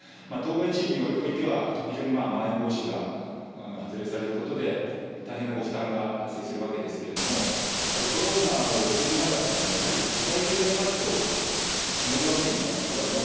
当該地域においては、非常にまん延防止が発令されることで、大変なご負担が発生するわけですけれども、やはりコロナを防ぎながら、やはり社会経済活動を止めるわけにはいかない、これは